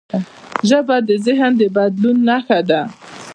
ژبه د ذهن د بدلون نښه ده.